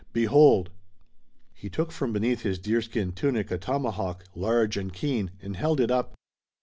Behold!" He took from beneath his deerskin tunic a tomahawk, large and keen, and held it up.